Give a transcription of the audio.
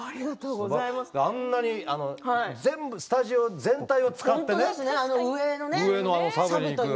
あんなに全部スタジオ全体を使って、上のところからね。